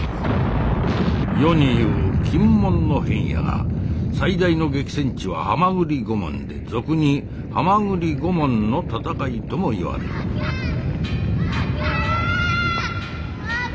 世に言う禁門の変やが最大の激戦地は蛤御門で俗に「蛤御門の戦い」ともいわれるおっ母！